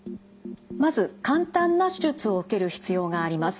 まず簡単な手術を受ける必要があります。